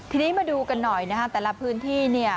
ทีนี้มาดูกันหน่อยแต่ละพื้นที่